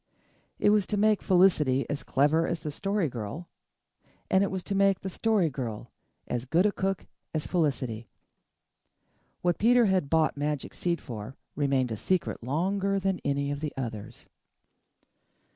It was to make Felicity as clever as the Story Girl and it was to make the Story Girl as good a cook as Felicity. What Peter had bought magic seed for remained a secret longer than any of the others.